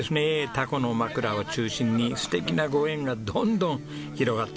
タコのまくらを中心に素敵なご縁がどんどん広がってます。